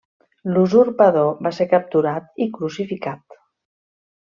L'usurpador va ser capturat i crucificat.